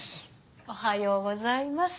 おはようございます。